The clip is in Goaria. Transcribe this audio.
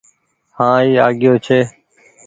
هآن اي آگيو ڇي۔